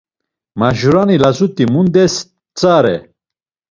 Majurani lazut̆i mundes tzare?